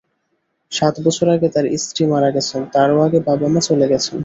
সাত বছর আগে তাঁর স্ত্রী মারা গেছেন, তারও আগে বাবা-মা চলে গেছেন।